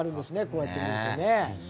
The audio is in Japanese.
こうやって見るとね。